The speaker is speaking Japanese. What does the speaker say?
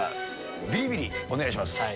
ビリビリお願いします。